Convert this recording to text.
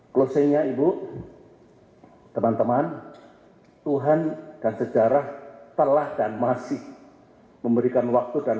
closingnya ibu teman teman tuhan dan sejarah telah dan masih memberikan waktu dan